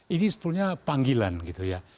ini sebetulnya panggilan gitu ya